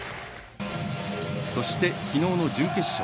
そして、きのうの準決勝。